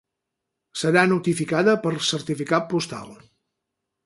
Serà notificada per certificat postal.